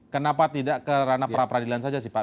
kenapa tidak ke ranah pra peradilan saja sih pak